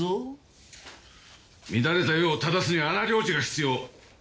乱れた世を正すには荒療治が必要。